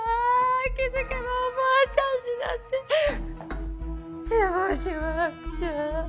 気付けばおばあちゃんになって手もしわくちゃ。